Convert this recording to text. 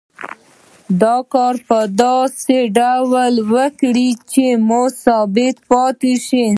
دا کار په داسې ډول وکړي چې مزد ثابت پاتې شي